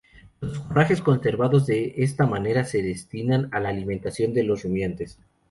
Los forrajes conservados de esta manera se destinan a la alimentación de los rumiantes.